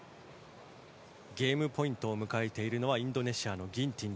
ゲームポイントを迎えているインドネシアのギンティン。